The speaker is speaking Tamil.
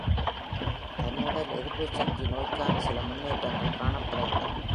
. தன்னுடல் எதிர்ப்பு சக்தி நோய்க்கான சில முன்னேற்றங்கள் காணப்படுகின்றன.